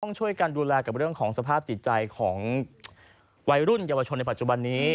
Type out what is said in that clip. ต้องช่วยกันดูแลกับเรื่องของสภาพจิตใจของวัยรุ่นเยาวชนในปัจจุบันนี้